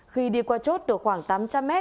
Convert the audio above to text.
khi đi qua chốt được khoảng tám trăm linh m